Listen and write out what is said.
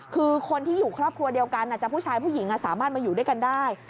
คือคนที่อยู่ครอบครัวเดียวกันจะผู้ชายผู้หญิงสามารถมาอยู่ด้วยกันได้